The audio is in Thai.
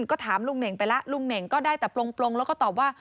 ก็ถามลุงเน่งไปแล้วลุงเน่งก็ได้แต่ปลงแล้วก็ตอบว่า